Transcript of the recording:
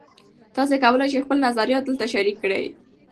تاسي کولای شئ خپل نظریات دلته شریک کړئ.